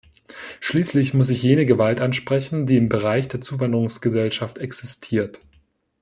Schließlich muss ich jene Gewalt ansprechen, die im Bereich der Zuwanderungsgesellschaft existiert.